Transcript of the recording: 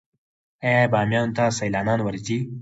آیا بامیان ته سیلانیان ورځي؟